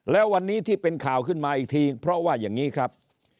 แล้ววันนี้ที่เป็นข่าวขึ้นมาอีกทีเพราะว่าอย่างนี้ครับ